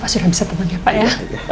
masih udah bisa teman ya pak ya